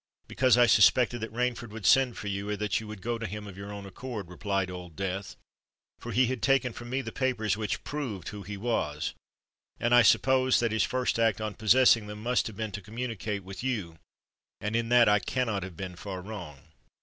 "Because I suspected that Rainford would send for you, or that you would go to him of your own accord," replied Old Death; "for he had taken from me the papers which proved who he was—and I supposed that his first act on possessing them, must have been to communicate with you; and in that I cannot have been far wrong."